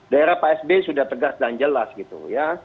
daerah psb sudah tegas dan jelas gitu ya